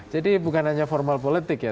jadi bukan hanya formal politik ya